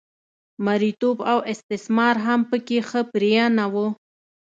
مریتوب او استثمار هم په کې ښه پرېنه و